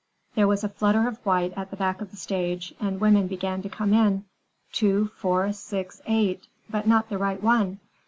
There was a flutter of white at the back of the stage, and women began to come in: two, four, six, eight, but not the right one.